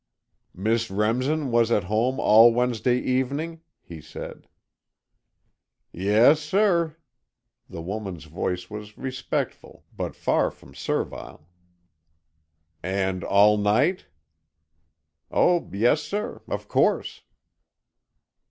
"Miss Remsen was at home all Wednesday evening?" he said. "Yes, sir," the woman's voice was respectful but far from servile. "And all night?" "Oh, yes, sir, of course."